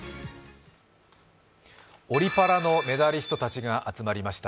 オリ・パラのメダリストたちが集まりました。